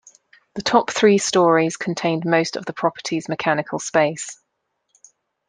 The top three stories contained most of the property's mechanical space.